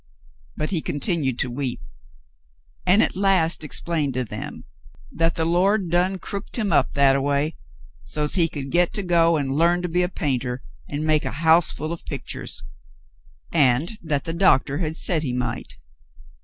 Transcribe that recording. " But he continued to weep, and at last explained to them that the "Lord done crooked him up that a way so't he could git to go an' learn to be a painter an' make a house full of pictures," and that 253 254 The Mountain Girl the doctor had said he might.